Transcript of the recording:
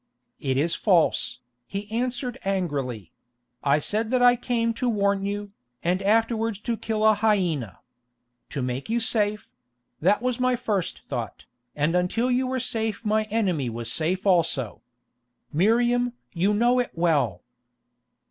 "It is false," he answered angrily; "I said that I came to warn you, and afterwards to kill a hyena. To make you safe—that was my first thought, and until you were safe my enemy was safe also. Miriam, you know it well."